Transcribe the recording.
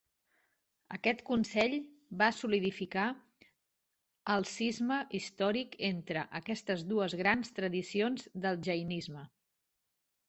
Aquest consell va solidificar el cisma històric entre aquestes dues grans tradicions del jainisme.